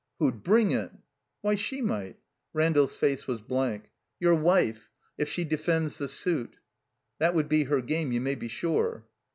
"Who'd bring it?" "Why, she might" (Randall's face was blank). "Your wife, if she defends the suit. That would be her game, you may be sure."